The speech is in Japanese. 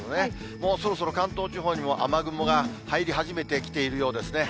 もうそろそろ関東地方にも雨雲が入り始めてきているようですね。